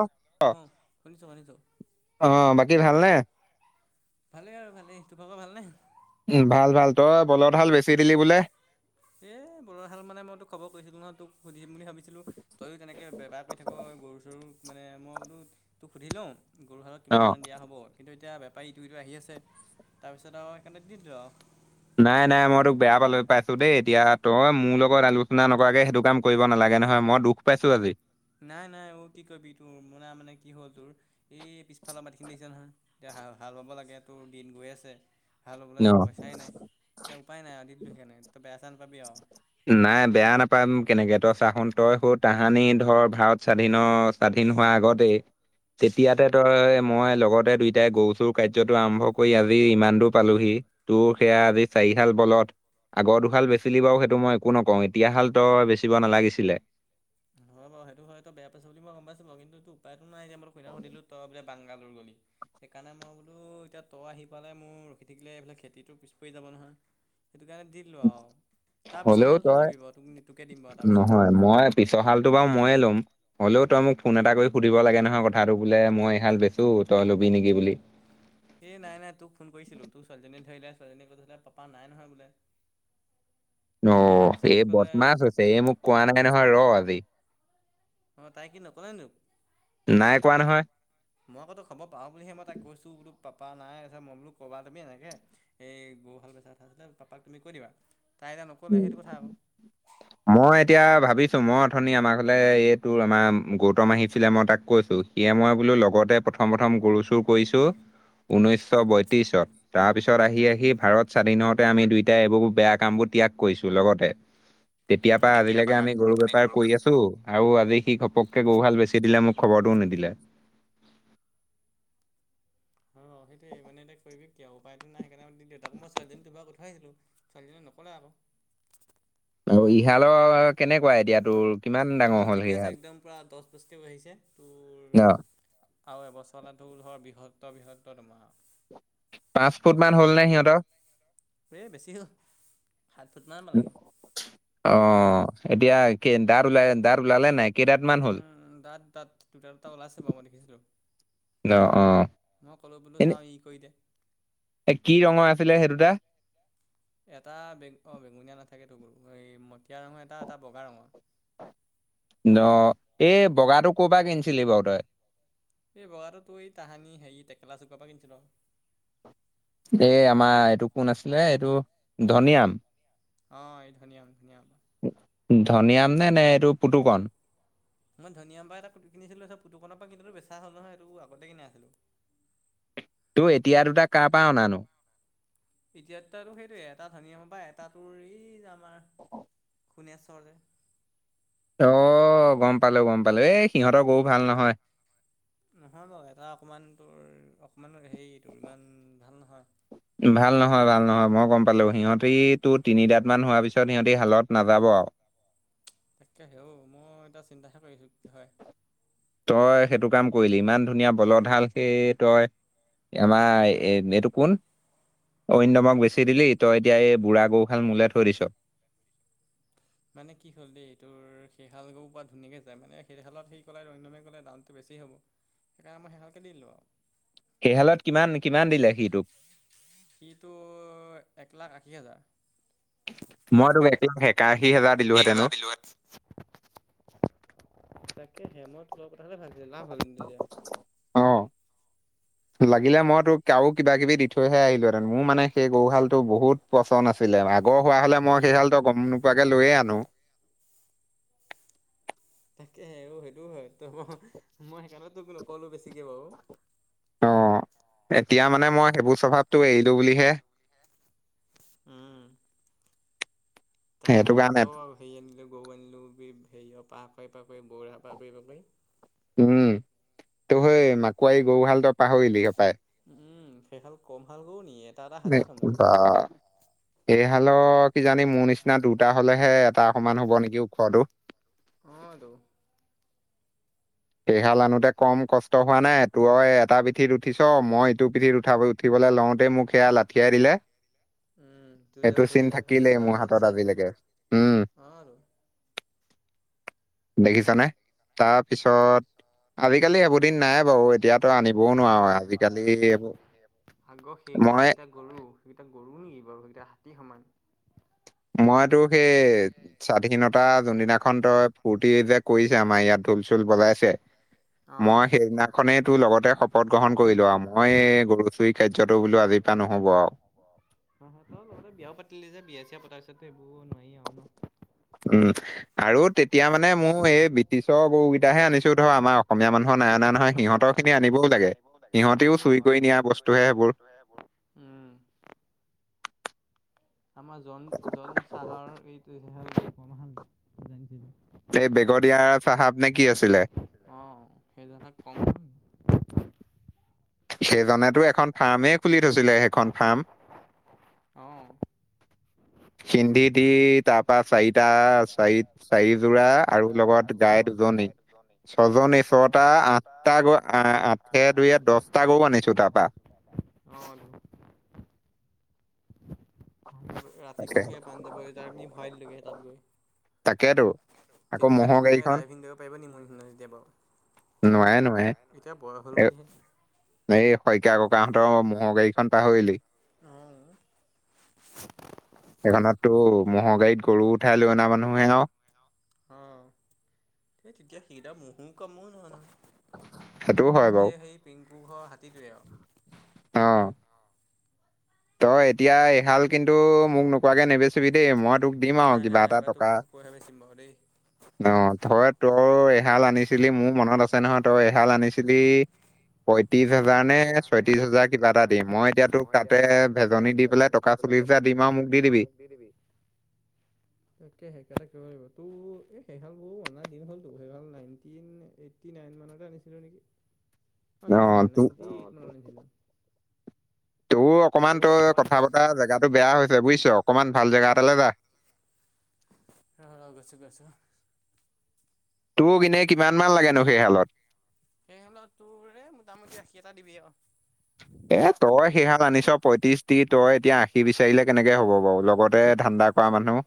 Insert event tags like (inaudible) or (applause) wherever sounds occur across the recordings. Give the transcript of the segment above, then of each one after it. অ অ' শুনিছো শুনিছো। অ', বাকী ভালনে? ভালেই আৰু ভালেই তোমালোকৰ ভালনে? উম, ভাল ভাল তই বলধ হাল বেছি দিলি বোলে। এ বৰশাল মানে মইতো খবৰ কৰিছিলো নহয় তোক সুধিম বুলি ভাবিছিলো। তইয়ো তেনেকৈ বেপাৰ কৰি থাক গৰু চৰুক মানে মই বোলো তোক সুধি লওঁ গৰু হালত অ কিমান মান দিয়া হ'ব, কিন্তু এতিয়া বেপাৰী ইটো সিটো আহি আছে, তাৰপিছত আৰু সেইকাৰণে দি দিলোঁ আৰু। নাই - নাই, মই তোক বেয়া পালো পাইছো দেই এতিয়া তই মোৰ লগত আলোচনা নকৰাকে সেইটো কাম কৰিব নালাগে নহয় মই দুখ পাইছো আজি। নাই নাই অ' কি কবি তোৰ মনা মানে কি হ'ল তোৰ এই পিছফালৰ মাটিখিনি দেখিছা নহয় এতিয়া হা হাল বাব লাগে তোৰ দিন গৈ আছে হাল ন বাবলৈতো পইচাই নাই। এতিয়া উপায় নাই আৰু দি দিলো সিকাৰনে তই বেয়া চেয়া নাপাবি আৰু। নাই বেয়া নাপায় কেনেকে তই চাহোন তই সু তাহানি ধৰ ভাৰত স্বাধীনৰ স্বাধীন হোৱাৰ আগতেই তেতিয়াতে তই মই লগতে দুইটাই গৰুচুৰ কাৰ্যটো আৰম্ভ কৰি আজি ইমান দূৰ পালোহি। তোৰ সেয়া আজি চাৰিহাল বলধ, আগৰ দুহাল বেচিলি বাৰু সে মই একো নকওঁ এতিয়াহাল তই বেচিব নালাগিছিলে। হয় বাৰু সেইটো হয় তই বেয়া পাইছ' বুলি মই গ'ম পাইছো বাৰু কিন্তু সে উপায়টো নাই এতিয়া মই তোক সেইদিনা সুধিলোঁ তই বোলে বাংগালুৰ গ'লি। সেইকাৰণে মই বোলো এতিয়া তই আহি পাৱালে মোৰ ৰখি থাকিলে এইফালে খেতিটো পিছ পৰি যাব নহয়। সেইটো কাৰণে দি দিলো আৰু, তাৰপিছৰ হাল তই ল'বি বাৰু তোক তোকে দিম বাৰু তাৰপিছৰ হাল। নহয় মই পিছৰ হালটো বাৰু ময়ে ল'ম। হ'লেও তই মোক ফোন এটা কৰি সুধিব লাগে নহয় কথাটো বোলে মই এইহাল বেচো তই ল'বি নেকি বুলি। এই নাই নাই তোক ফোন কৰিছিলোঁ তোৰ ছোৱালীজনীয়ে ধৰিলে ছোৱালীজনী কৈছিলে পাপা নাই নহয় বোলে। অ', তাৰপিছত এই ক'লে বদমাছ আছে এই মোক কোৱা নাই নহয় ৰ' আজি। অ' তাই কি নকলে নি তোক? নাই কোৱা নহয়। মই আকৌ তই খবৰ পাওঁ বুলিহে মই তাইক কৈছো বোলো পাপা নাই আছে মই বুলো ক'বা তুমি এনেকে এই গৰুহাল বেচা কথা আছিলে পাপাক তুমি কৈ দিবা। তাই এতিয়া নক'লে উম, সেইটো কথা আকৌ। মই এতিয়া ভাবিছোঁ মই উথনি আমাৰ ঘৰলে এই তোৰ আমাৰ গৌতম আহিছিলে মই তাক কৈছোঁ। এয়ে মই বোলো লগতে প্ৰথম প্ৰথম গৰু চুৰ কৰিছো ঊনৈছশ বয়ত্ৰিশত। তাৰ পিছত আহি আহি ভাৰত স্বাধীন হওঁতে আমি দুইটাই এইবোৰ বেয়া কামবোৰ ত্যাগ কৰিছো লগতে। তেতিয়াৰ পৰা আজিলৈকে আমি গৰু বেপাৰ কৰি আছো। আৰু আজি সি ঘপককে গৰু হাল বেছি দিলে মোক খবৰটোও নিদিলে। অ', সেইটোৱে মানে এতিয়া কৰিবি কি উপায়টো নাই সেইকাৰণে দেউতাকো মই ছোৱালীজনী দুবাৰ পঠাইছিলো। ছোৱালীজনীয়ে নক'লে আকৌ। আৰু ইহালৰ কেনেকুৱা এতিয়া তোৰ কিমান এই ডাঙৰ হাল হ'ল ঠিকে আছে সিহাল একদম দহ দহ বাঢ়িছে। তোৰ ন আৰু এবছৰলে তোৰ ধৰ বৃহত্তৰ বৃহত্তৰ দৰমহা। পাঁচ ফুট মান হ'ল নে সিহঁতৰ? এই বেছি হ'ল সাত ফুটমান পালেগে। অ', এতিয়া কি দাঁত ওলাই দাঁত ওলালে নাই? কেইদাঁত মান হ'ল উম, দাঁত দাঁত দুটা দুটা ওলাইছে বাৰু মই দেখিছিলো। অ', অ'। মই ক'লো বোলো এনে চাওঁ ই কৰি দে। এ কি ৰঙৰ আছিলে সেই দুটা? এটা বেঙু অ' বেঙুনীয়া নাথাকেটো গৰু এই মটীয়া ৰঙৰ এটা এটা বগা ৰঙৰ। ন এই বগাটো ক'ৰ পৰা কিনিছিলি বাৰু তই? এই বগাটো তোৰ এই তাহানি হেৰি টেলা চুকৰ পৰা কিনিছিলো। এই আমাৰ এইটো কোন আছিলে এইটো ধনীৰাম। অ', এই ধনীৰাম ধুনীৰাম। ধনীৰাম নে নে এইটো পুতুকণ? মই ধনীৰাম পা এটা (unintelligible) কিছিলো পুকনৰ পৰা কিন্তু বেচা হ'ল নহয় এইটো আগতে কিনা আছিলো। তোৰ এতিয়া দুটা কাৰ পৰা অনানো? এতিয়া দুটাতো সেইটোয়ে এটা ধনীৰামৰ পা এটা তোৰ এই যে আমাৰ সুনেশ্বৰ যে। অ', গম পালো গম পালো এই সিহঁতৰ গৰু ভাল নহয়। নহয় বাৰু, এটা অকণমান তোৰ অকণমান হেৰিটোৰ ইমান ভাল নহয়। ভাল নহয় ভাল নহয় মই গম পালো। সিহঁতি তোৰ তিনিদাঁত মান হোৱাৰ পিছত সিহঁতি হালত নাযাব আৰু। তাকেহে ঔ মই এতিয়া চিন্তাহে কৰিছো কি হয়। তই সেইটো কাম কৰিলি, ইমান ধুনীয়া বলধ হাল সেই তই আমাৰ এ এইটো কোন? অৰিন্দমক বেছি দিলি, তই এতিয়া এই বুঢ়া গৰু হাল মোলে থৈ দিছ। মানে কি হ'ল দেই তোৰ সেই হাল গৰু পুৰা ধুনীয়াকে যায় মানে সেই হালত সি ক'লে অৰিন্দমে ক'লে দামটো বেছি হ'ব। সেইকাৰণে মই সেই হালকে দি দিলো আৰু। সেই হালত কিমান কিমান দিলে সিটোক? সি তোৰ এক লাখ আশী হেজাৰ। মই (unintelligible) একাশী হাজাৰ দিলো হৈ। তাকেহে মই তোৰ লগত পতা হ'লে লাভ হ'লহতি তেতিয়া। অ'। লাগিলে মই তোক আৰু কিবা কিবি দি থৈহে আহিলোহেঁতেন। মোৰ মানে সেই গৰু হাল তোৰ বহুত পচন্দ আছিলে। আগৰ হোৱা হ'লে মই সেই হালতো গম নোপোৱাকে লৈয়ে আনো। তাকেহে সেইটো হয় মই সেইকাৰণে তোক নক'লো বেছিকে বাৰু। অ', এতিয়া মানে মই সেইবোৰ স্বভাৱটো এৰিলো বুলিহে। উম, সেইটো তাহানি কাৰণে কত আৰু হেৰি আনিলোঁ গৰু আনিলোঁ হেৰিয় পা (unintelligible) উম, তো সেই মাকোৱাৰী গৰুহাল তই পাহৰিলি সপাই উম, সেইফাল কম হাল গও নি এটা এটা হাতী সমান বা হেৰি হালৰ কিজানি মোৰ নিচিনা দুটা হলেহে এটা অকমান হব নেকি ওখতো অ', টো সেইহাল আনোতে কম কষ্ট হোৱা নাই তোৰ এটা পিঠিত উঠিছ মই এইটো পিঠিত উঠাব উঠিবলৈ লওঁতে মোক সেয়া লাত পঠিয়াই দিলে, উম তোৰ যে এইটো ভৰি চিন এটা থাকিলেই মোৰ হাতত আজিলৈকে উম, অ', আৰু। দেখিছানে তাৰপিছত আজিকালি এইবোৰ দিন নাই বাৰু এতিয়াতো আনিবও নাই নোৱাৰো নাই নাই আজিকালি আগৰ এইবোৰ সেইকেইটা মই সেইকেইটা গৰু সেইকেইটা গৰু নেকি বাৰু, সেইকেইটা হাতী সমান। মইটো সেই স্বাধীনতা যোনদিনাখন তই ফূৰ্তি যে কৰিছে আমাৰ ইয়াত ঢোল চোল বজাইছে অ মই সেইদিনাখনেই তোৰ লগতে শপত গ্ৰহণ কৰিলো আৰু মই গৰু চুইক কাৰ্যতো বোলো আজিৰ পৰা নহ'ব আৰু। অ' তই লগতে বিয়াও পাতিলি যে, বিয়া-চিয়া পতাৰ পিছতো সেইবোৰ নোৱাৰি আৰু ন। উম, আৰু তেতিয়া মানে মোৰ এই ব্ৰিটিছৰ গৰুকেইটাহে আনিছো ধৰ, আমাৰ অসমীয়া মানুহৰ নাই অনা নহয়, সিহঁতৰ খিনি সিহঁতৰ আনিবও খিনি লাগে আনিবও লাগে চুৰি কৰি সিহঁতেও নিয়া চুৰি কৰি বস্তুহে নিয়া সেইবোৰ বস্তু হে সেইবোৰ উম, আমাৰ জন জন চাহাৰৰ এইটো (unintelligible) এই বেগদিয়াৰ চাহাপ নে কি আছিলে। অ'। সেই জনে কম সেইজনেটো এখন ফাৰ্মেই খুলি থৈছিলে, সেইখন ফাৰ্ম। অ', হিন্দী দি তাপ পা চাৰিটা, চাৰি, চাৰিযোৰা আৰু লগত গাই দুজনী। ছজনী ছটা আঠটা গৰু আঠে দুইয়ে দচটা গৰু আনিছো তাৰপা। (inaudible) অ', তাকে ৰাতিখন সেয়া পাঞ্জাবৰ সেই তাত নি ভৰাই দিলো গে সেই তাত গৈ। তাকেতো আকৌ তেতিয়া ম'হৰ নিচিনাকে গাড়ীখন ড্ৰাইভিং কৰিব পাৰিব নি মোৰ নিছিনাকে কেতিয়া নোৱাৰে নোৱাৰে বাৰু। এতিয়া বয়স হ'ল এ- বুলিহে এই শইকীয়া ককাহঁতৰ ম'হৰ গাড়ীখন পাহৰিলি উম, এখনত টো ম'হৰ গাড়ীত গৰু উঠাই লৈ অনা মানুহে আৰু। অ', সেই তেতিয়া সেইকিতা ম'হৰ কামো নহয়, সেইটোও নহয়। হয় বাৰু গোটেই সেই পিংকু ঘৰ হাতীটোৱে আৰু। অ', তই এতিয়া এহাল কিন্তু মোক নোকোৱাকে নেবেচিবি দেই, নাই, নাই, নাই এইবাৰ টোক কৈহে বেচিম বাৰু দেই। অ', তই তোৰ এহাল আনিছিলি মোৰ মনত আছে নহয়, তই এহাল আনিছিলি। পয়ত্ৰিশ হোজাৰ নে ছয়ত্ৰিশ হাজাৰ কিবা এটা দিম, মই এতিয়া তোক তাতে এ ভেজনী দি পেলাই টকা চল্লিশ হাজাৰ দিম আৰু মোক দি দিবি। দি দিবি। তে সেইকাৰণে কৰিব লাগিব, তো এই সেইহাল গৰু অনা দিন হ'লতো সেইহাল নাইনটি আইটি নাইন মানতে আনিছিলোঁ নেকি, অ', নাইন্তি ঐত আনিছিলোঁ। তোৰ অকমান তই কথা বতৰা জেগাটো বেয়া হৈছে বুজিছ, অকনমান ভাল জেগা এটালৈ যা। ৰ'হ, ৰ'হ গৈছোঁ, গৈছোঁ। তোক এনে কিমান মান লাগেনো সেইহালত। সেইহালত তোৰ এই মোটামুটি আখী এটা দিবি আৰু। এ তই সেইহাল আনিছ পঁয়ত্ৰিশ দি, তই এতিয়া আশী বিচাৰিলে কেনেকে হ'ব বাৰু লগত এ ধান্দা কৰা মানুহ।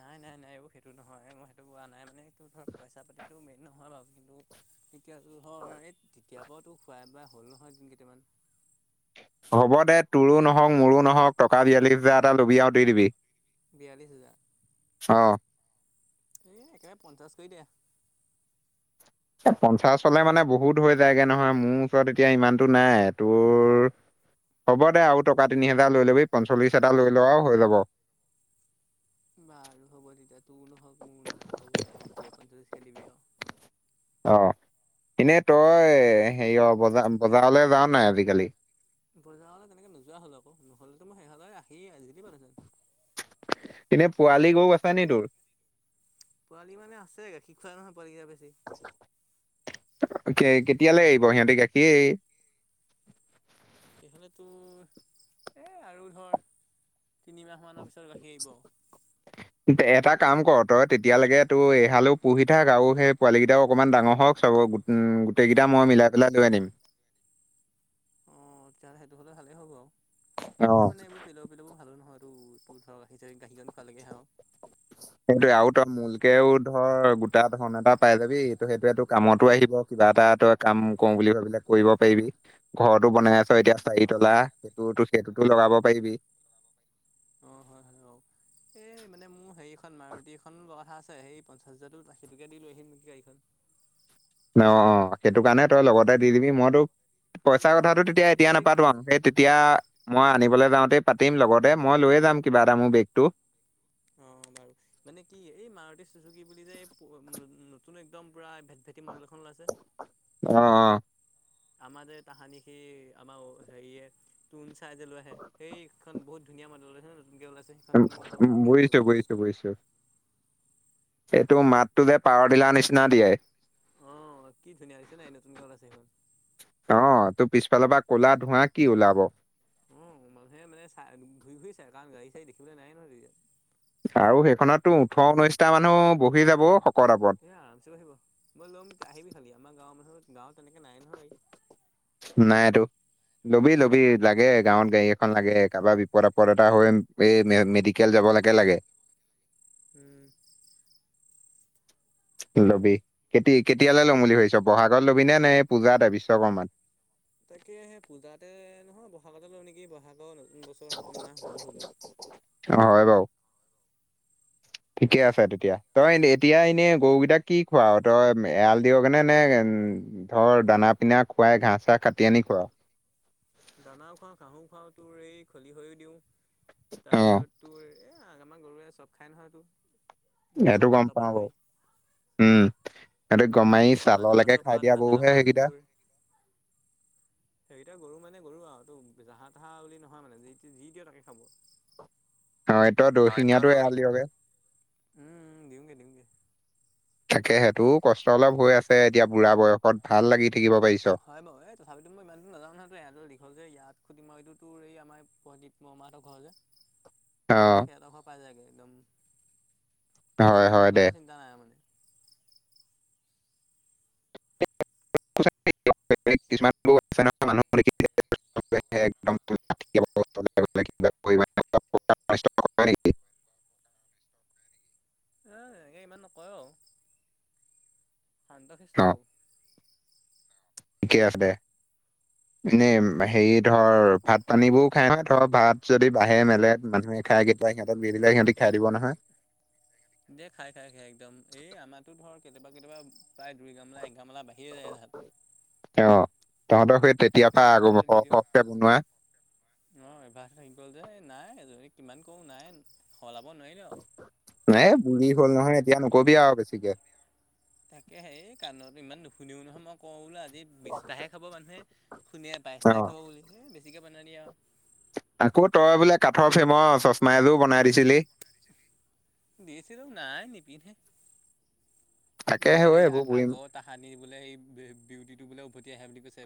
নাই, নাই, নাই অ', সেইটো নহয়, মই সেইটো কোৱা নাই মানে, তহঁতৰ পইচা-পাতিটো মেইন নহয় বাৰু কিন্তু এতিয়া টো ধৰ, এই তেতিয়া পৰাতো খোৱাই-বোৱা হ'ল নহয় দিন কেইটামান। হ'ব দে তোৰো নহওঁক মোৰো নহওঁক টকা বিয়াল্লিছ হাজাৰ এটা লবি আৰু দি দিবি। বিয়াল্লিছ হোজাৰ। অহ'। এই একেবাৰে পঞ্চাছ কৰি দে। পঞ্চাছ হ'লে মানে বহুত হৈ যায়গে নহয়, মোৰ ওচৰত এতিয়া ইমানতো নাই তোৰ হ'ব দে আৰু টকা তিনি হাজাৰ ল'বি পঞ্চল্লিশ হাজাৰ লৈ লোৱা আৰু হৈ যাব। বাৰু হ'ব তেতিয়া তোৰও নহওঁক মোৰো নহওঁক হ'ব দে বিয়া পঞ্চল্লিছ দিবি আৰু। অ', এনেই তই হেৰি অ বজাৰ বজাৰলৈ যাওঁ নাই আজিকালি বজাৰলে তেনেকে নোযোৱা হ'ল আক নহ'লেো মই সেইললে আহি আজ য দি (unintelligible) এনে পোৱালি গৰু আছ নি তোৰ? পোৱালি মানে আছে শিখা খোৱা নহয় পোৱাল কেই বেছি। কেতিয়ালৈ আহিব সিহঁতে গাখীৰ। এই ফালে তোৰ এই আৰু ধৰ তিনিমাহমানৰ পিছত গাখীৰ এৰিব। (unintelligible) এটা কাম কৰ তই তেতিয়ালৈকে তোৰ এহালো পুহি থাক আৰু সেই পোৱালি কেইটাও অকণমান ডাঙৰ হওঁক চব উ গোটেইকেইটা মই মিলাই পেলাই লৈ আনিম। অ', তেতিয়াহ'লে সেইটো হ'লে ভালেই হ'ব আৰু অ এই মানে এইবোৰ পেল ভালো নহয় তটো তোৰ ধৰ (unintelligible) খালৈকো আৰু সেইটোৱে আৰু তই মূলকেও ধৰ গোটা ধৰন এটা পাই যাবি ত সেইটোয়ে তটো কামতো আহিব। কিবা এটা তই কাম কৰো বুলি ভাবিলে কৰিব পাৰিবি। ঘৰতো বনাই আছ এতিয়া চাৰি তলা অ' সেইটোতো সেইটোতো লগাব পাৰিবি। অ', হয়, হয় অ'। এই মানে মোৰ হেৰিখন মাৰুতিখন লোৱা কথা আছে সেই পঞ্চাছ হাজাৰতো আখী টোকে দিলো আহহি মি গাড়ীখন। অ', অ', সেইটো কাৰণে তই লগতে দি দিবি মইতো পইচা অ' কথাটো তেতিয়া এতিয়া এই নাপাতো কি আ সেই তেতিয়া মই আনিবলৈ যাওঁতে পাতিম লগতে মই লৈয়ে যাম কিবা এটা মোৰ বেগটো অ', বাৰু। মানে কি এই মাৰুটীু চুজুকি কি বুলি যে নতুন একদম পুৰা ভেট ভেটি মডেল এখন ওলাইছে অ', অ'। আমাৰ যে তাহানি সি আমাৰ হেৰিয়ে তুন চাই যে লৈ আহে সেইখন বহুত ধুনীয়া মডেলতছে নতুনকে ওলাইছে। সেইখন উ মই এখন উ ল'ম বুলি ভাবিছো বুজিছোঁ মানে বুজিছোঁ। এইটো মাতটো যে পাৱাৰ টিলাৰ নিচিনা দিয়ে। অ', কি ধুনীয়া হৈছে নাই, নতুনকে ওলইছে সেইখন। অ', তোৰ পিছফালৰ পৰা ক'লা ধোঁৱা কি ওলাব। অ' মানুহে মানে চাই, ঘূৰি ঘূৰি চাই কাৰণ গাড়ী-চাড়ী দেখিবলৈ নাই ন' তেতিয়া। আৰু সেইখনত তোৰ ওঠৰ ঊনৈশটা মানুহ বহি যাব শকত আপত। এই আৰামচে আহিব, মই ল'ম আহিবি খালি, আমাৰ গাঁৱৰ মানুহ গাঁৱত তেনেকে নাই নহয় গাড়ী। নাই এইটো লবি, লবি লাগে, গাঁৱত গাড়ী এখন লাগে কাৰোবাৰ বিপদ-আপদ এটা হ'লে, এই মে -কেল যাবলৈকে লাগে। উম। লবি, কেতি-কেতিয়ালৈ ল'ম বুলি ভাবিছ? ব'হাগত লবিনে নে, পূজাটে বিশ্বকৰ্মাত। তাকে সেই পূজাতে, নহয় ব'হাগতে লওঁ নেকি, ব'হাগৰ নতুন বছৰ। নতুন মাহ ভালো অ', হ'ব হয় বাৰু। ঠিকে আছে তেতিয়া, তই এতিয়া এনেই গৰুকেইটাক কি খোৱাৱ, তই এৰাল দিয়গেনে নে উম, ধৰ, দানা পিনা খুৱাই ঘাঁহ-চাহ কাটি আনি খুৱাৱ। দানা খোৱাাওঁ ঘাঁহো খোৱাওঁ, তোৰ এই খলি হৈয়ো দিওঁ, অ তাৰপিছত তোৰ এ, আমাৰ গৰুৱে চব খাই নহয় এইটো, সেইটো গছৰ গম পাতৰ পাওঁ পৰা বাৰু ধৰি। উম সেইটো গমাৰি ছাললৈকে আনাৰসৰ খাই পাত, দিয়া আদা গৰুহে পাত, সেইকেইটা তোৰ সেইকেইটা গৰু মানে মানে গৰু আৰু, জাহা তাহা বুলি নহয় মানে, যি, যি দিয় তাকে খাব। অ', তই দশিঙীয়াটো এৰাল দিয়গে। উম, দিওঁগে, দিওঁগে। তাকেহে, তোৰ কষ্ট অলপ হৈ আছে, এতিয়া বুঢ়া বয়সত ভাল লাগি থাকিব পাৰিছ। হয় বাৰু, এই তথাপিতো মই ইমান দূৰ নাযাওঁ নহয়, তোৰ এৰালটো দীঘল যে ইয়াত খুটি মৰাতো তোৰ এই আমাৰ মোমা হঁতৰ ঘৰ যে (inaudible) সেই সিহঁতৰ ঘৰ পাই যায়গে, একদম হয় হয় দিনটো দে কাৰণে চিন্তা নাই মানে। কিছুমান আছে নহয় মানুহ (unintelligible) একদম লাঠি এবাৰ ওচৰলৈ গ'লে কিবা কৰি মানে অলপ প্ৰকাৰ অনিষ্ট কৰে নেকি? এ, এনেকে ইমান নকয় বাৰু। শান্ত শিষ্ট অ বহুত। ঠিকে আছে। এনেই হেৰি ধৰ, ভাত পানী বোৰ খাই নহয়, ধৰ ভাত যদি বাঢ়ে মেলে মানুহে? খাই, কেতিয়াবা সিহঁতক দি দিলে, সিহঁতি খাই দিব নহয়। দে খাই, খাই, খাই, একদম এই আমাৰটো ধৰ কেতিয়াবা-কেতিয়াবা প্ৰায় দুইঘামলা একঘামেলা বাঢ়িয়ে যায় ভাত। অ', তহঁতৰ সেই তেতিয়াৰ পৰা আগৰ সৰহ-সৰহকে বনোৱা। অ', অভ্যাৰ থাকি গ'ল যে, নাই এইজনীক কিমান কওঁ নাই সলাব নোৱাৰিলোঁ। নাই বুঢ়ী হ'ল নহয়, এতিয়া নকবি আৰু বেছিকে। তাকেহে, কাণত ইমান নুশুনিও নহয়, মই কওঁ বোলো আজি বিশটাহে। খাব মানুহে, শুনে অ বাইশটাই খাব বুলি, বেছিকৈ বনাই দিয়ে আৰু। আকৌ তই বোলে কাঠৰ ফেমৰ চশমা এযোৰ বনাই দিছিলি। দিছিলো নাই নিপিন্ধে, তাকে বোলে সেই হেৰি এইবোৰ বুঢ়ী আগত তাহানি বোলে, সেই বিউটিটো বোলে উভতি আহে বুলি কৈছে।